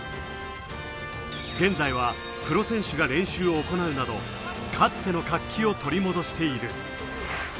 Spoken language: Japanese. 現在はプロ選手が練習を行うなど、かつての活気を取り戻している。